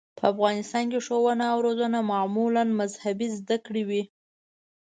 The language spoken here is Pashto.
په افغانستان کې ښوونه او روزنه معمولاً مذهبي زده کړې وې.